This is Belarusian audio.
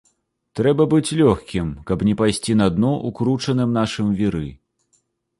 Трэба быць лёгкім, каб не пайсці на дно ў кручаным нашым віры.